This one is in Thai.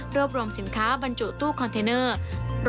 รวมรวมสินค้าบรรจุตู้คอนเทนเนอร์